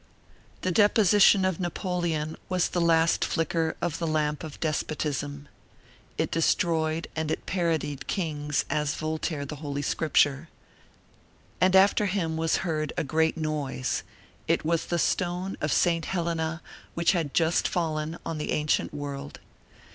The deposition of Napoleon was the last flicker of the lamp of despotism; it destroyed and it parodied kings as Voltaire the Holy Scripture. And after him was heard a great noise: it was the stone of St. Helena which had just fallen on the ancient world.